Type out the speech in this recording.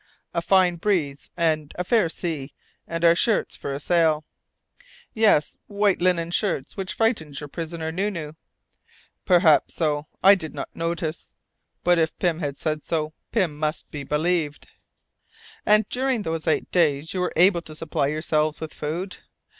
A fine breeze and a fair sea, and our shirts for a sail." "Yes, white linen shirts, which frightened your prisoner Nu Nu " "Perhaps so I did not notice. But if Pym has said so, Pym must be believed." "And during those eight days you were able to supply yourselves with food?"